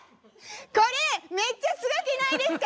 これめっちゃすごくないですか？